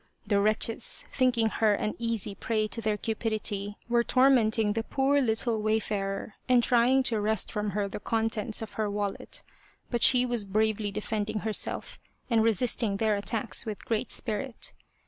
The wretches, thinking her an easy prey to their cupidity, were tormenting the poor little wayfarer and trying to wrest from her the contents of her wallet, but she was bravely defending herself and resisting their attacks with great spirit.